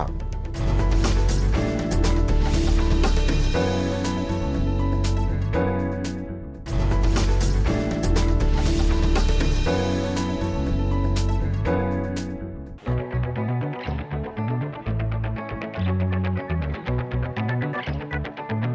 kemudian kita bisa bekerja